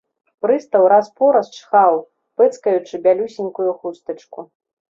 Прыстаў раз-пораз чхаў, пэцкаючы бялюсенькую хустачку.